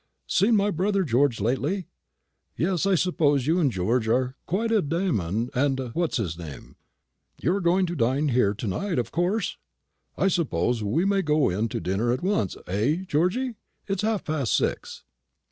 Seen my brother George lately? Yes, I suppose you and George are quite a Damon and What's his name. You're going to dine here to night, of course? I suppose we may go in to dinner at once, eh, Georgy? it's half past six."